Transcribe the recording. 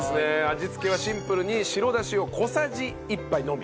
味付けはシンプルに白だしを小さじ１杯のみ。